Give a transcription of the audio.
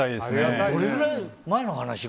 どれぐらい前の話？